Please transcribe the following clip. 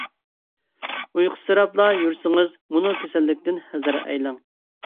ئۇيقۇسىراپلا يۈرسىڭىز مۇنۇ كېسەللىكتىن ھەزەر ئەيلەڭ.